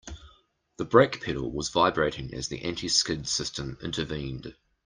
The brake pedal was vibrating as the anti-skid system intervened.